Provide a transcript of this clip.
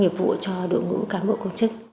hiệp vụ cho đội ngũ cán bộ công chức